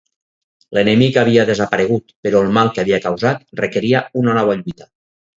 L'enemic havia desaparegut, però el mal que havia causat requeria una nova lluita.